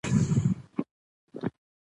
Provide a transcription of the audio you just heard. کرکټرونه د تقدیر په اړه خبرې کوي.